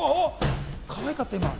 今、かわいかった。